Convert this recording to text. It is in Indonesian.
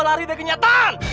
lari dari kenyataan